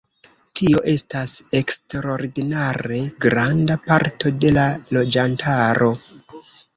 Tio estas eksterordinare granda parto de la loĝantaro.